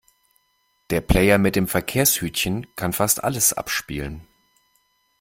Der Player mit dem Verkehrshütchen kann fast alles abspielen.